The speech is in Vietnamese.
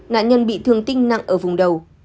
nạn nhân bị thương tinh nặng ở vùng đầu